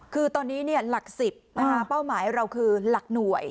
คือตอนนี้หลัก๑๐เป้าหมายเราคือหลักหน่วย